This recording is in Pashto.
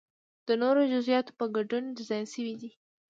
د نورو جزئیاتو په ګډون ډیزاین شوی دی.